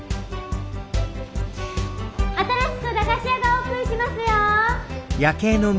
新しく駄菓子屋がオープンしますよ！